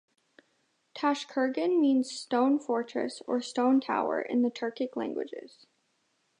Tashkurgan means "Stone Fortress" or "Stone Tower" in the Turkic languages.